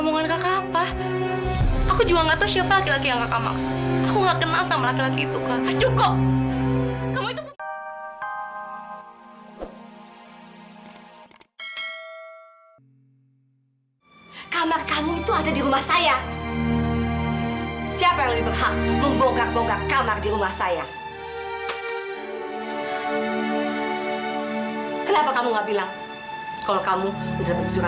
memang wanita yang melaku sebagai ibu kandung evita